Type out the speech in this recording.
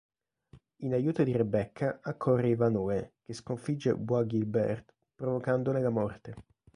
In aiuto di Rebecca accorre Ivanhoe che sconfigge Bois-Guilbert, provocandone la morte.